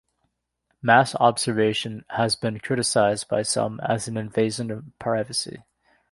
Mass-Observation has been criticised by some as an invasion of privacy.